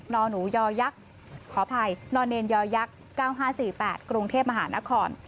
อหนูยอยักษ์ขออภัยนอเนนยักษ์๙๕๔๘กรุงเทพมหานคร